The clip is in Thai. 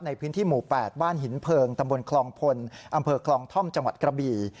ในพื้นที่หมู่๘บ้านหินเพลิงตำบลคลองพลอำเภอคลองท่อมจังหวัดกระบี่